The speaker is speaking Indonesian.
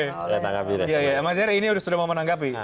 ya ya mas zair ini sudah mau menanggapi